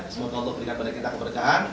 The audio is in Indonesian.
semoga allah berikan pada kita keberkahan